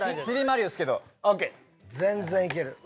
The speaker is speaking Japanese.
全然いける。